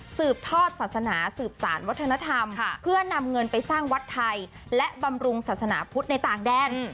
สืบทอดศาสนาสืบสารวัฒนธรรมเพื่อนำเงินไปสร้างวัดไทยและบำรุงศาสนาพุทธในต่างแดน